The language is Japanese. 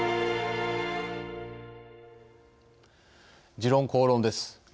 「時論公論」です。